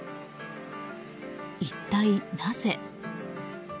一体なぜ。